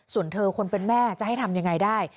ส่วนเธอคนเป็นแม่จะให้ทำยังไงได้